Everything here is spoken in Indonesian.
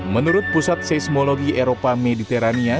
menurut pusat seismologi eropa mediterania